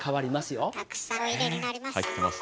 たくさんお入れになります。